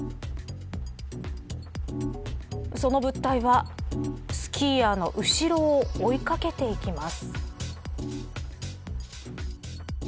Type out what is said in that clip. その物体はスキーヤーの後ろを追い掛けていきます。